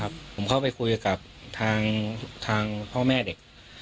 ผมเข้าไปคุยกับทางพ่อแม่เด็ก